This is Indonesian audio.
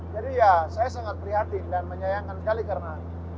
jadi ya saya sangat prihati dan menyayangkan sekali